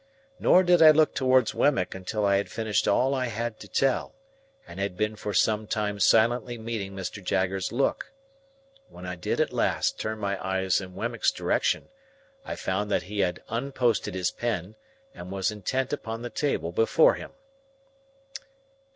Nor did I look towards Wemmick until I had finished all I had to tell, and had been for some time silently meeting Mr. Jaggers's look. When I did at last turn my eyes in Wemmick's direction, I found that he had unposted his pen, and was intent upon the table before him.